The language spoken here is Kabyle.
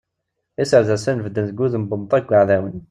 Iserdasen bedden deg udem n unṭag n yeεdawen.